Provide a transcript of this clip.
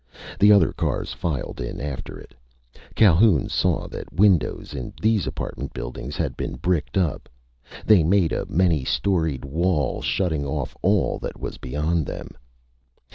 The other cars filed in after it, Calhoun saw that windows in these apartment buildings had been bricked up. They made a many storied wall shutting off all that was beyond them.